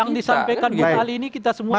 yang disampaikan bu kali ini kita semua